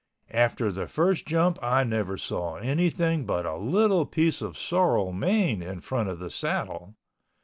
After the first jump I never saw anything but a little piece of sorrel mane in front of the saddle.